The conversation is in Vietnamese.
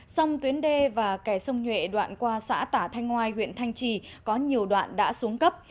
sông tuyến đê và kè sông nhuệ đoạn qua xã tả thanh ngoài huyện thanh trì có nhiều đoạn đã xuống cấp